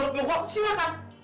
kalau lo kagak menurut gue silakan